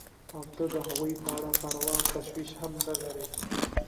او ته د هغوی په اړه پروا او تشویش هم نه لرې.